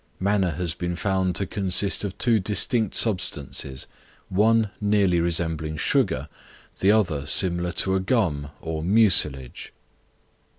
Manna has been found to consist of two distinct substances one nearly resembling sugar, the other similar to a gum or mucilage.